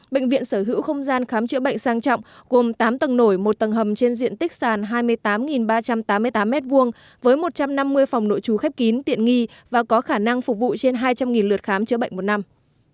bệnh viện sở hữu không gian khám chữa bệnh sang trọng gồm tám tầng nổi một tầng hầm trên diện tích sàn hai mươi tám ba trăm tám mươi tám m hai với một trăm năm mươi phòng nội trú khép kín tiện nghi và có khả năng phục vụ trên hai trăm linh lượt khám chữa bệnh một năm